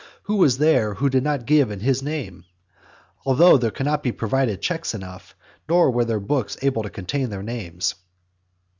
who was there, who did not give in his name? Although there could not be provided checks enough, nor were the books able to contain their names.